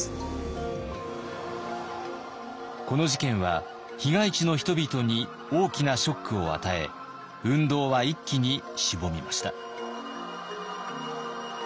この事件は被害地の人々に大きなショックを与え運動は一気にしぼみました。